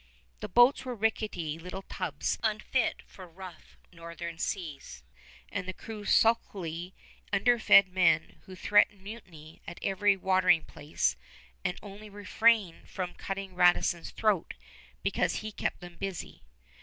The boats were rickety little tubs unfit for rough northern seas, and the crews sulky, underfed men, who threatened mutiny at every watering place and only refrained from cutting Radisson's throat because he kept them busy.